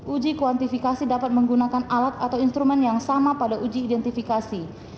uji kuantifikasi dapat menggunakan alat atau instrumen yang sama pada uji identifikasi